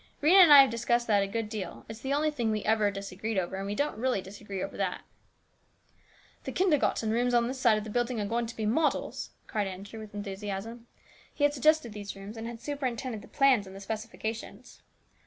Rhena and I have discussed that a good deal. It's the only thing we ever disagreed over, and we don't really disagree over that." " These kindergarten rooms on this side of the building are going to be models !" cried Andrew with enthusiasm. He had suggested these rooms and had superintended the plans and specifications.